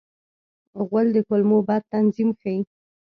غول د کولمو بد تنظیم ښيي.